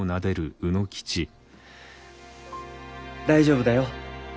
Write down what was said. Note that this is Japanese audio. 大丈夫だよ。